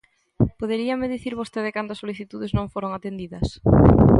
¿Poderíame dicir vostede cantas solicitudes non foron atendidas?